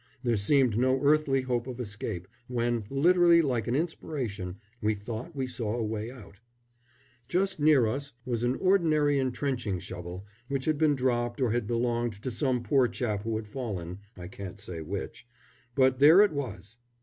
There seemed no earthly hope of escape, when, literally like an inspiration, we thought we saw a way out. Just near us was an ordinary entrenching shovel, which had been dropped, or had belonged to some poor chap who had fallen I can't say which, but there it was.